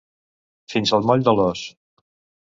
Fins al moll de l'os.